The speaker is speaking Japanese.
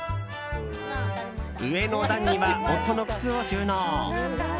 上の段には夫の靴を収納。